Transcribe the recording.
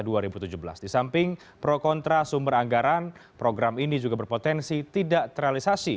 di samping pro kontra sumber anggaran program ini juga berpotensi tidak terrealisasi